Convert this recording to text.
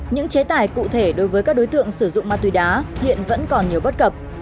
những chế tài cụ thể đối với các đối tượng sử dụng ma túy đá hiện vẫn còn nhiều bất cập